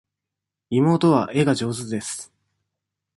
妹は絵が上手です。